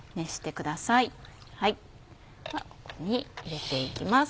ここに入れていきます。